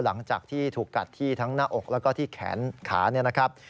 หลังจากที่ถูกกัดที่ทั้งหน้าอกแล้วก็ที่แขนขาเนี่ยนะครับ